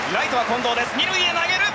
２塁へ投げる！